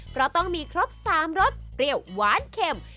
เพราะต้องมีครบ๓รสเปรี้ยวหวานเข็ม